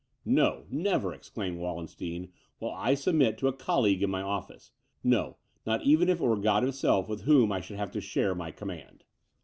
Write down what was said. "No! never," exclaimed Wallenstein, "will I submit to a colleague in my office. No not even if it were God himself, with whom I should have to share my command."